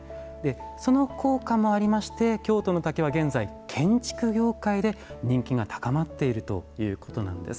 その効果もありまして京都の竹は現在建築業界で人気が高まっているということなんです。